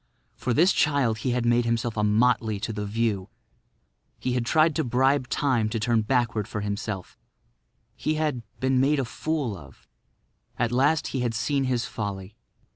For this child he had made himself a motley to the view. He had tried to bribe Time to turn backward for himself; he had—been made a fool of. At last he had seen his folly.